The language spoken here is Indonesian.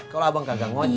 kalau abang gak ngonjek